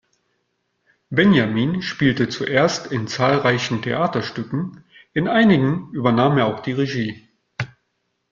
Benjamin spielte zuerst in zahlreichen Theaterstücken, in einigen übernahm er auch die Regie.